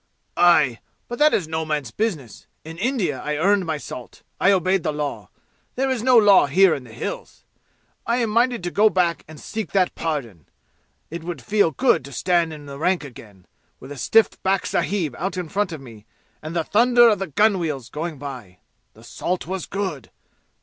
"Ay! But that is no man's business. In India I earned in my salt. I obeyed the law. There is no law here in the 'Hills.' I am minded to go back and seek that pardon! It would feel good to stand in the rank again, with a stiff backed sahib out in front of me, and the thunder of the gun wheels going by. The salt was good!